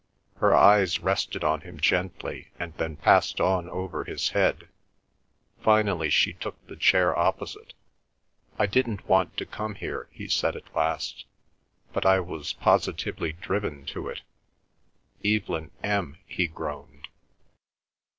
Her eyes rested on him gently and then passed on over his head. Finally she took the chair opposite. "I didn't want to come here," he said at last, "but I was positively driven to it. ... Evelyn M.," he groaned.